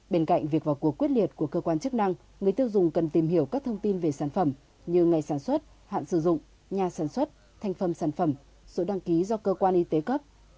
bên cạnh việc vào cuộc quyết liệt của cơ quan chức năng người tiêu dùng cần tìm hiểu các thông tin về sản phẩm như ngày sản xuất hạn sử dụng nhà sản xuất thành phẩm sản phẩm số đăng ký do cơ quan y tế cấp